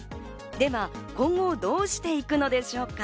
では今後どうしていくのでしょうか？